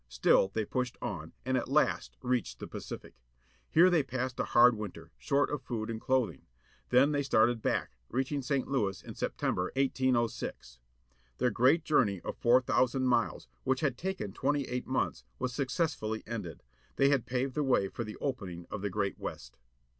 Still they pushed on, and at last reached the Pacific. Here they passed a hard winter, short of food and clothing. Then they started back, reaching St. Louis in September, 1806. Their great journey of four thousand miles, which had taken twenty eight months, was successfully ended. They had paved the way for the opening of the great West.